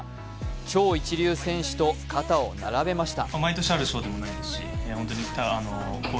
超一流選手と肩を並べました。